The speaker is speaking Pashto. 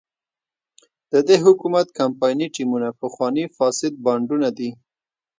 د دې حکومت کمپایني ټیمونه پخواني فاسد بانډونه دي.